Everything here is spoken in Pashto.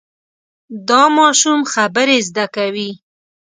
دا ماشوم خبرې زده کوي.